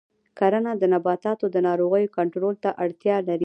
کرنه د نباتاتو د ناروغیو کنټرول ته اړتیا لري.